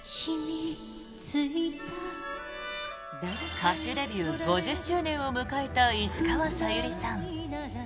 歌手デビュー５０周年を迎えた石川さゆりさん。